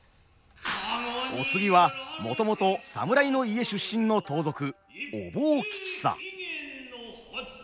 お次はもともと侍の家出身の盗賊お坊吉三。